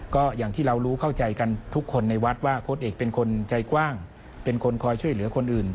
ก็อย่างที่เรารู้เข้าใจกันทุกคนในวัดว่าโค้ดเอกเป็นคนใจกว้างเป็นคนคอยช่วยเหลือคนอื่น